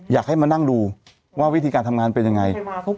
อยากให้มานั่งดูว่าวิธีการทำงานเป็นยังไง